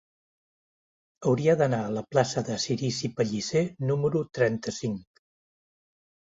Hauria d'anar a la plaça de Cirici Pellicer número trenta-cinc.